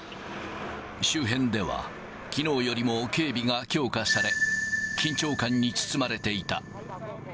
周辺では、きのうよりも警備が強化され、緊張感に包まれていた。